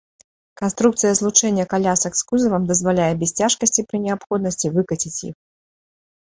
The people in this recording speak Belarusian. Канструкцыя злучэння калясак з кузавам дазваляе без цяжкасці пры неабходнасці выкаціць іх.